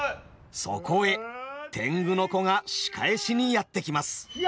そこへ天狗の子が仕返しにやって来ます。